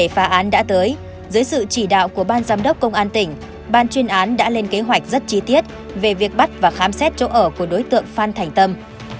với sự chỉ đạo của ban giám đốc công an tỉnh ban chuyên án đã lên kế hoạch rất chi tiết về việc bắt và khám xét chỗ ở của đối tượng phan thành tâm